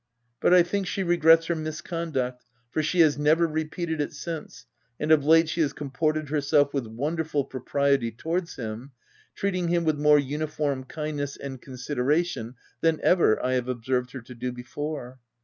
But I think she regrets her misconduct, for she has never repeated it since, and of late she has comported herself with wonderful propriety towards him, treating him w T ith more uniform kindness and consideration than ever I have observed her to do before.